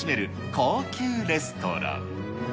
高級レストラン。